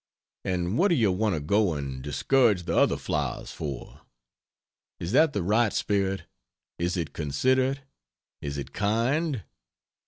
And what do you want to go and discourage the other flowers for? Is that the right spirit? is it considerate? is it kind?